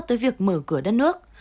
tới việc mở cửa đất nước